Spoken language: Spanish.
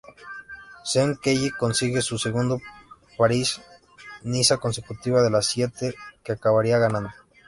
Sean Kelly consigue su segunda París-Niza consecutiva de las siete que acabaría ganando.